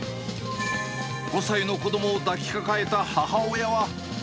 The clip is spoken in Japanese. ５歳の子どもを抱きかかえた母親は。